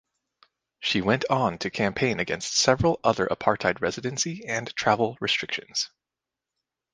She went on to campaign against several other apartheid residency and travel restrictions.